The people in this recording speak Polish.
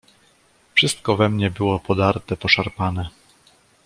"Wszystko we mnie było podarte, poszarpane."